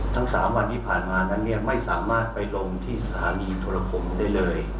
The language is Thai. ทั้ง๓วันที่ผ่านมานั้นเนี่ยไม่สามารถไปลงที่สถานีโทรผมได้เลย